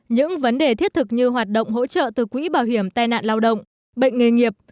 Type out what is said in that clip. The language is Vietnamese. những vấn đề thiết thực như hoạt động hỗ trợ từ quỹ bảo hiểm tai nạn lao động bệnh nghề nghiệp